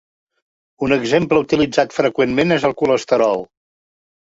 Un exemple utilitzat freqüentment és el colesterol.